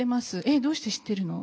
「えっどうして知ってるの？」